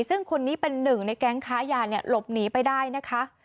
ซึ่งคนนี้เป็นหนึ่งในแก๊งค้ายาเนี่ยหลบหนีไปได้นะคะ